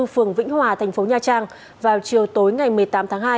phường vĩnh hòa thành phố nha trang vào chiều tối ngày một mươi tám tháng hai